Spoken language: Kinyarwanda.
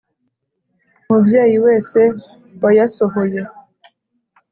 Mubyeyi wese wayasohoye